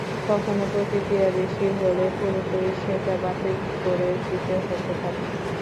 কখনো প্রতিক্রিয়া বেশি হলে পুরোপুরি সেটা বাতিল করে দিতে হতে পারে।